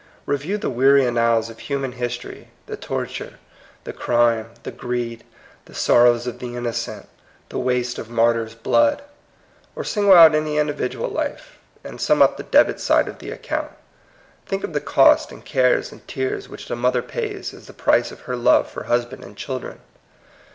Review the weary annals of human history, the torture, the crime, the greed, the sor rows of the innocent, the waste of martyrs' blood. Or single out any individual life, and sum up the debit side of the account. Think of the cost and cares and tears which the mother pays as the price of her love for husband and children.